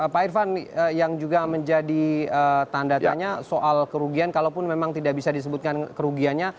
pak irfan yang juga menjadi tanda tanya soal kerugian kalaupun memang tidak bisa disebutkan kerugiannya